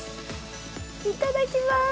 いただきまーす！